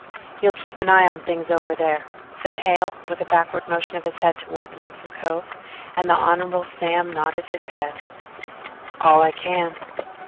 "You'll keep an eye on things over there?" said Hale with a backward motion of his head toward Lonesome Cove, and the Hon. Sam nodded his head: "All I can."